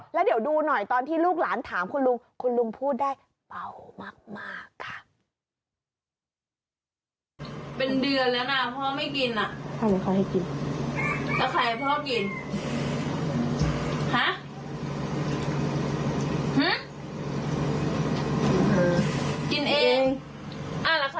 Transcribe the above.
แล้วเดี๋ยวดูหน่อยตอนที่ลูกหลานถามคุณลุงคุณลุงพูดได้เบามากค่ะ